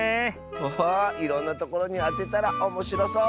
ハハーいろんなところにあてたらおもしろそう！